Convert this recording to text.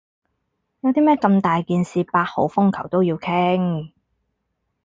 有啲咩咁大件事八號風球都要傾？